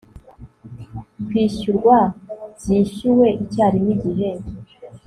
kwishyurwa zishyuwe icyarimwe igihe